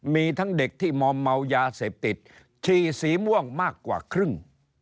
มีทั้งเด็กที่มอมเมายาเสพติดฉี่สีม่วงมากกว่าครึ่ง